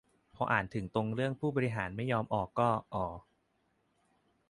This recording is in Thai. พออ่านถึงตรงเรื่องผู้บริหารไม่ยอมออกก็ อ่อออ